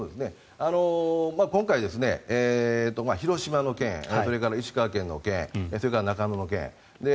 今回、広島の件それから石川県の件それから中野の件。